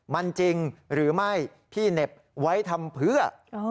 มันจริงหรือไม่พี่เหน็บไว้ทำเพื่อ